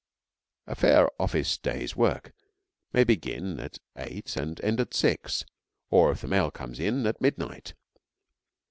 A fair office day's work may begin at eight and end at six, or, if the mail comes in, at midnight.